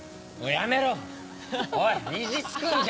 やめろ！